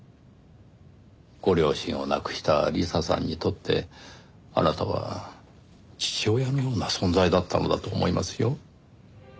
ご両親を亡くした理沙さんにとってあなたは父親のような存在だったのだと思いますよ。